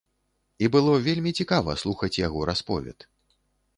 І было вельмі цікава слухаць яго расповед.